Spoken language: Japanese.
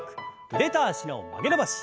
腕と脚の曲げ伸ばし。